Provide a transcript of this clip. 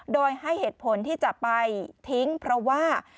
โดยให้เหตุผลที่จะไปทิ้งเพราะว่า